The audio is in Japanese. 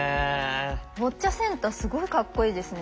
ボッチャセンターすごいかっこいいですね。